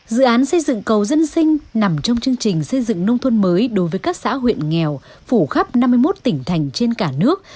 dự án xây dựng cầu dân sinh nằm trong chương trình xây dựng nông thôn mới đối với các xã huyện nghèo phủ khắp năm mươi một tỉnh thành trên cả nước